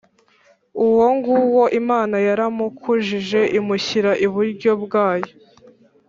Uwo nguwo Imana yaramukujije imushyira iburyo bwayo